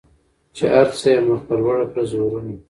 چي هر څو یې مخ پر لوړه کړه زورونه